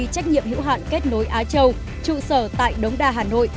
trách nhiệm hữu hạn kết nối á châu trụ sở tại đống đa hà nội